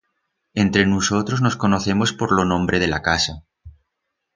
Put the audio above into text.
Entre nusotros nos conocemos por lo nombre de la casa.